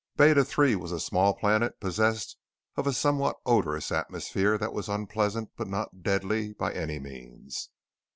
Beta III was a small planet possessed of a somewhat odorous atmosphere that was unpleasant but not deadly by any means.